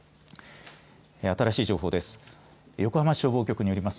新しい情報です。